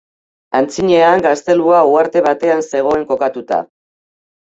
Antzinean gaztelua uharte batean zegoen kokatua.